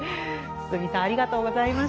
堤さんありがとうございました。